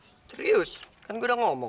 oh serius kan gue udah ngomong